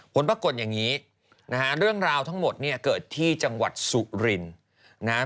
ผลปรากฏอย่างนี้นะฮะเรื่องราวทั้งหมดเนี่ยเกิดที่จังหวัดสุรินทร์นะฮะ